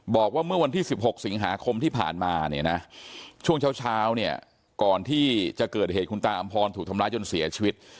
บอกว่าเมื่อวันที่๑๖สิงหาคมที่ผ่านมาเนี่ยนะช่วงเช้าเนี่ยก่อนที่จะเกิดเหตุคุณตาอำพรถูกทำร้ายจนเสียชีวิต